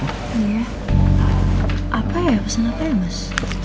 apa ya pesan apa ya mas